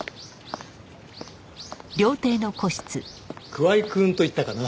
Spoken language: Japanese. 桑井くんといったかな？